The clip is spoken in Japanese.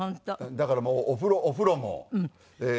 だからもうお風呂お風呂もえー。